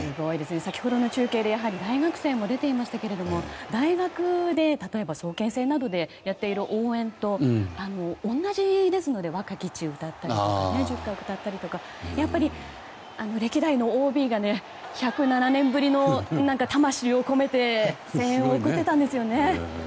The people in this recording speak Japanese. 先ほどの中継で大学生も出ていましたが大学で、例えば早慶戦などでやっている応援と同じですので「若き血」を歌ったり「ジョックロック」を歌ったりとかやっぱり歴代のＯＢが１０７年ぶりの魂を込めて声援を送っていたんですよね。